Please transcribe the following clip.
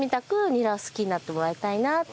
ニラを好きになってもらいたいなって。